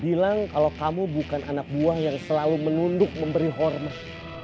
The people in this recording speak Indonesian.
bilang kalau kamu bukan anak buah yang selalu menunduk memberi hormat